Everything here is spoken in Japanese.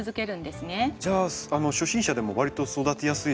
じゃあ、初心者でもわりと育てやすい？